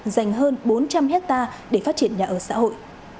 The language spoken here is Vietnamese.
dành hơn bốn trăm linh hectare để phát triển nhà ở xã hội